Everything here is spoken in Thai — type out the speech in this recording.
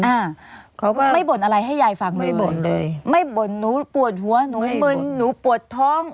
อ่าเขาก็ไม่บ่นอะไรให้ยายฟังเลยบ่นเลยไม่บ่นหนูปวดหัวหนูมึนหนูปวดท้อง